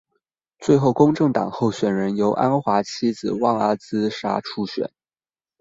最后公正党候选人由安华妻子旺阿兹莎出选。